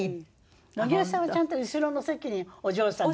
野際さんはちゃんと後ろの席にお嬢さんが。